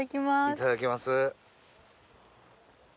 いただきます。